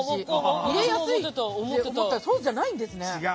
見えやすいと思ったらそうじゃないんですね。